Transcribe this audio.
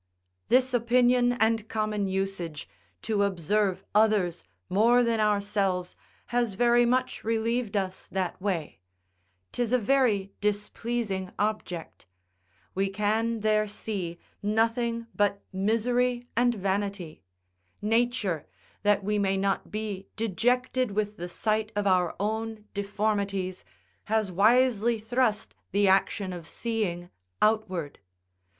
This opinion and common usage to observe others more than ourselves has very much relieved us that way: 'tis a very displeasing object: we can there see nothing but misery and vanity: nature, that we may not be dejected with the sight of our own deformities, has wisely thrust the action of seeing outward.